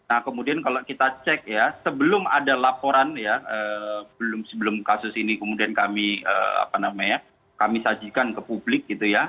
nah kemudian kalau kita cek ya sebelum ada laporan ya sebelum kasus ini kemudian kami sajikan ke publik gitu ya